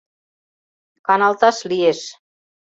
Каналташ лиеш.